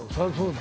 だ